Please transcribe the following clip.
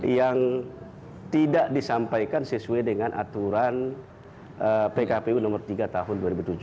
yang tidak disampaikan sesuai dengan aturan pkpu nomor tiga tahun dua ribu tujuh belas